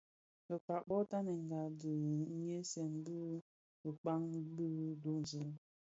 Bekpag bo tanenga di nhyesen bi dhikpaň bi duńzi.